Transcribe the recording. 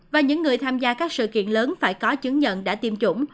và những người tham gia các sự kiện lớn phải có chứng nhận đã tiêm chủng